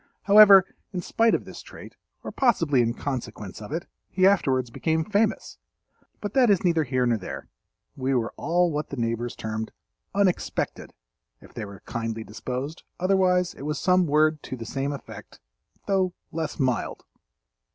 However, in spite of this trait, or possibly in consequence of it, he afterwards became famous. But that is neither here nor there—we were all what the neighbors termed "unexpected," if they were kindly disposed, otherwise it was some word to the same effect though less mild.